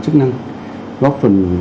chức năng góp phần